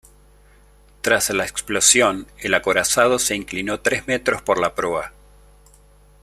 Tras la explosión, el acorazado se inclinó tres metros por la proa.